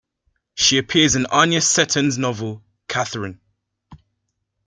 She appears in Anya Seton's novel, "Katherine".